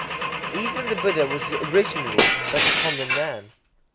_ Even the Buddha was originally but a common man.